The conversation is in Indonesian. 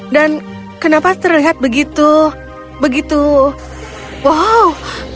dan kenapa terlihat begitu begitu wow